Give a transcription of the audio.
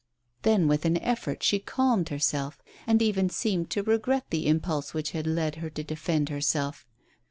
Then, with an effort, she calmed herself, and even seemed to regret the impulse which had led her to defend herself.